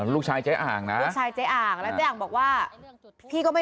ลูกชายเจ๊อ่างนะ